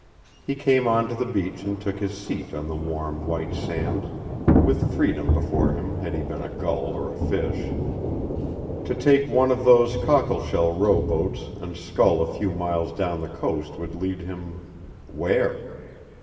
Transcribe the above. He came on to the beach and took his seat on the warm, white sands, with freedom before him had he been a gull or a fish. To take one of those cockleshell row boats and scull a few miles down the coast would lead him where?